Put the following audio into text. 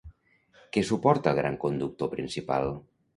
Què suporta el gran conductor principal?